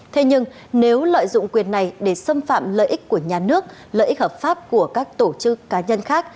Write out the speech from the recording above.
thế nhưng nếu lợi dụng quyền này để xâm phạm lợi ích của nhà nước lợi ích hợp pháp của các tổ chức cá nhân khác